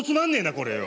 これよ。